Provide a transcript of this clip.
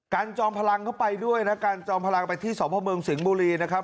การจอมพลังเค้าไปด้วยนะครับการจอมพลังไปที่สรมระเมิงสิงฮ์บุรีนะครับ